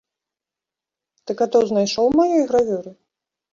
Ты катоў знайшоў у маёй гравюры?